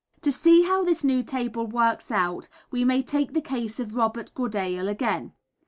To see how this new table works out we may take the case of Robert Goodale again.